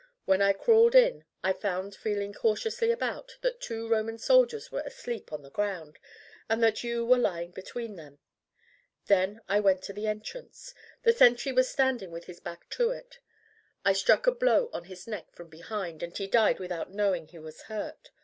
When I crawled in I found feeling cautiously about, that two Roman soldiers were asleep on the ground and that you were lying between them. Then I went to the entrance. The sentry was standing with his back to it. I struck a blow on his neck from behind, and he died without knowing he was hurt.